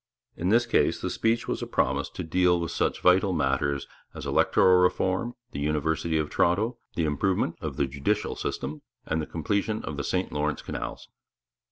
In this case the Speech was a promise to deal with such vital matters as electoral reform, the University of Toronto, the improvement of the judicial system, and the completion of the St Lawrence canals.